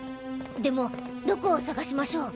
でもどこを探しましょう？